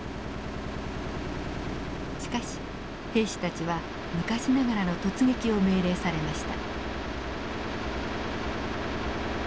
しかし兵士たちは昔ながらの突撃を命令されました。